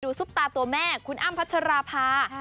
ซุปตาตัวแม่คุณอ้ำพัชราภา